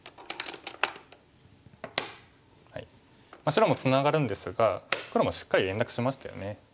白もツナがるんですが黒もしっかり連絡しましたよね。